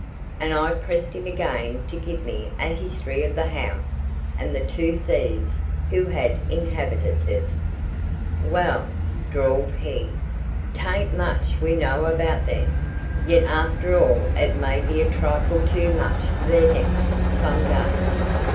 And I pressed him again to give me a history of the house and the two thieves who had inhabited it. "Wa'al," drawled he "'taint much we know about them, yet after all it may be a trifle too much for their necks some day.